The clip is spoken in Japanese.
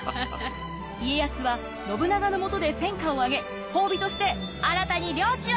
家康は信長のもとで戦果を上げ褒美として新たに領地をゲット！